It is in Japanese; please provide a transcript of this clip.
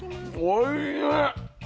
おいしい。